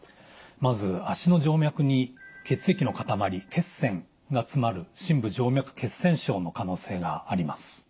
まず脚の静脈に血液の塊血栓が詰まる深部静脈血栓症の可能性があります。